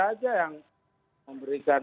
saja yang memberikan